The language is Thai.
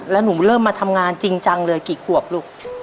แล้วหนูเริ่มมาทำงานจริงจังเลยกี่ขวบลูก